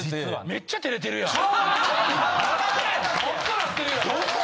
めっちゃ照れてるやん！